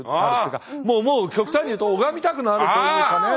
もうもう極端に言うと拝みたくなるというかね。